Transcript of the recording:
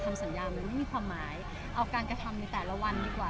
คำสัญญามันไม่มีความหมายเอาการกระทำในแต่ละวันดีกว่าที่เขาแสดงออกมา